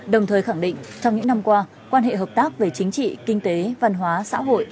đồng thời khẳng định trong những năm qua quan hệ hợp tác về chính trị kinh tế văn hóa xã hội